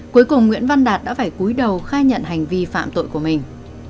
cuối cùng nguyễn văn đạt đã phải cuối đầu khai nhận hành vi phạm tội của mình